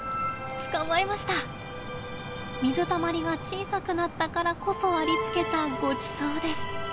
水たまりが小さくなったからこそありつけたごちそうです。